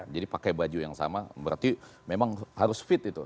jadi pakai baju yang sama berarti memang harus fit itu